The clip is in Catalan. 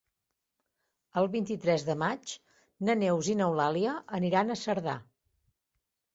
El vint-i-tres de maig na Neus i n'Eulàlia aniran a Cerdà.